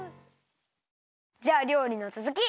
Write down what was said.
じゃありょうりのつづき！